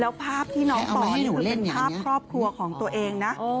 แล้วภาพที่น้องปออยู่ก็เป็นภาพครอบครัวของตัวเองนะ